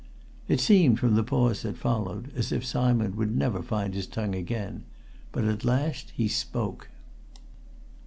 It seemed, from the pause that followed, as if Simon would never find his tongue again. But at last he spoke.